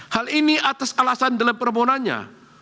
hal ini atas alasan dalam permohonannya